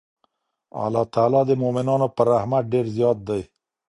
الله تعالی د مؤمنانو په رحمت ډېر زیات دی.